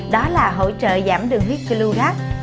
đó là hỗ trợ giảm đường huyết glu gac